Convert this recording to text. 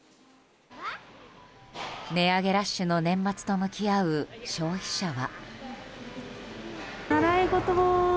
値上げラッシュの年末と向き合う消費者は。